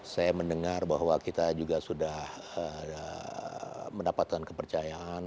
saya mendengar bahwa kita juga sudah mendapatkan kepercayaan